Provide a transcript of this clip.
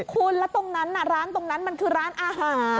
คุณแล้วตรงนั้นน่ะร้านตรงนั้นมันคือร้านอาหาร